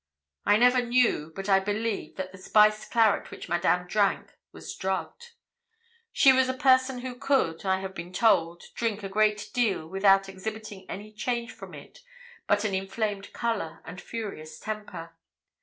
I never knew, but I believe that the spiced claret which Madame drank was drugged. She was a person who could, I have been told, drink a great deal without exhibiting any change from it but an inflamed colour and furious temper.